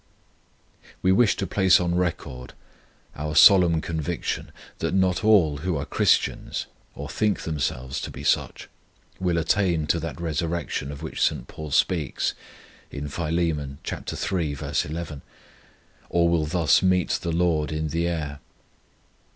We wish to place on record our solemn conviction that not all who are Christians, or think themselves to be such, will attain to that resurrection of which St. Paul speaks in Phil. iii. 11, or will thus meet the LORD in the air.